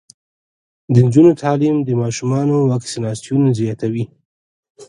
د نجونو تعلیم د ماشومانو واکسیناسیون زیاتوي.